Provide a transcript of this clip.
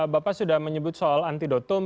bapak sudah menyebut soal antidotum